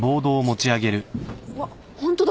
うわっホントだ。